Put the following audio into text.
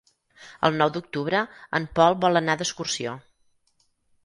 El nou d'octubre en Pol vol anar d'excursió.